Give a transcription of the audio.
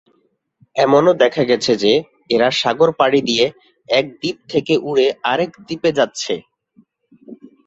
এমনও দেখা গেছে যে এরা সাগর পাড়ি দিয়ে এক দ্বীপ থেকে উড়ে আরেক দ্বীপে যাচ্ছে।